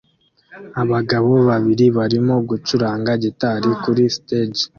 Abagabo babiri barimo gucuranga gitari kuri stage